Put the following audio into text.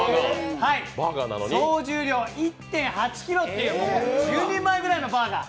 総重量１．８ｋｇという１０人前ぐらいのバーガー